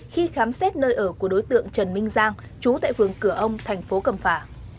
khi khám xét nơi ở của đối tượng trần minh giang chú tại phường cửa ông thành phố cầm phả